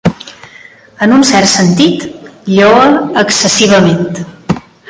En un cert sentit, lloa excessivament.